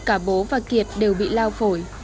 cả bố và kiệt đều bị lao phổi